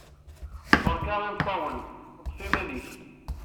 Berka imeṭṭawen. Ṭṭef iman-ik.